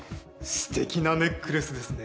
・すてきなネックレスですね。